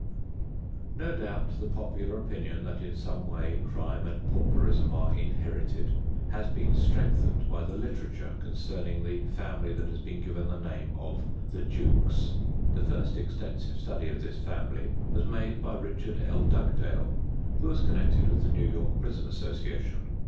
No doubt the popular opinion that in some way crime and pauperism are inherited has been strengthened by the literature concerning the family that has been given the name of "The Jukes." The first extensive study of this family was made by Richard L. Dugdale, who was connected with the New York Prison Association.